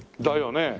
だよね？